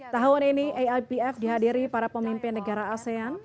tahun ini aibf dihadiri para pemimpin negara asean